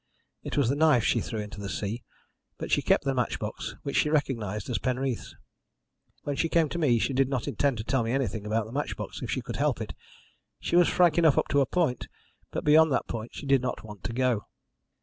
It was the knife she threw into the sea, but she kept the match box, which she recognised as Penreath's. When she came to me she did not intend to tell me anything about the match box if she could help it. She was frank enough up to a point, but beyond that point she did not want to go.